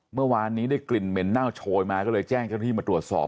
เมื่อวานนี้ได้กลิ่นเหม็นเน่าโชยมาก็เลยแจ้งเจ้าหน้าที่มาตรวจสอบ